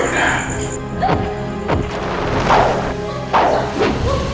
tidak ada ini